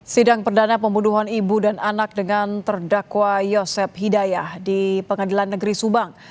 sidang perdana pembunuhan ibu dan anak dengan terdakwa yosef hidayah di pengadilan negeri subang